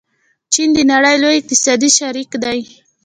چین د نړۍ لوی اقتصادي شریک دی.